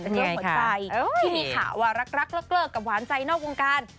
เรื่องหัวใจที่มีข่าวว่ารักเลิกกับหวานใจนอกวงการ